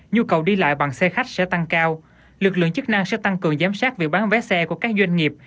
trong dịp cao lực lượng chức năng sẽ tăng cường giám sát việc bán vé xe của các doanh nghiệp